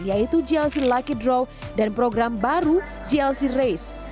yaitu jlc lucky draw dan program baru jlc race